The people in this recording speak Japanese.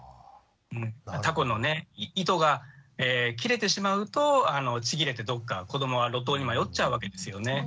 たこの糸が切れてしまうとちぎれてどっか子どもは路頭に迷っちゃうわけですよね。